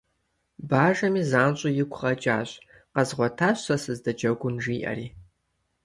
Бажэми занщӀэу игу къэкӀащ, къэзгъуэтащ сэ сызыдэджэгун, жиӀэри.